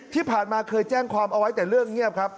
ที่ผ่านมาเคยแจ้งความเอาไว้แต่เรื่องเงียบครับ